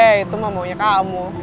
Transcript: ya itu mah maunya kamu